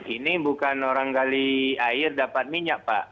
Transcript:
ini bukan orang gali air dapat minyak pak